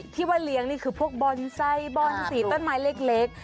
ที่ว่าเลี้ยงนี่คือพวกบอนไซค์บอนสีต้นไม้เล็ก